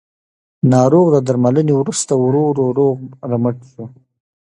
ناروغ د درملنې وروسته ورو ورو روغ رمټ شو